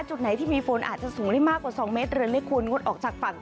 จุดไหนที่มีฝนอาจจะสูงได้มากกว่า๒เมตรเรือเล็กควรงดออกจากฝั่ง